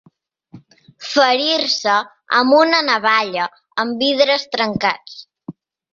Ferir-se amb una navalla, amb vidres trencats.